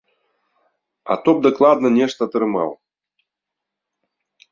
А то б дакладна нешта атрымаў.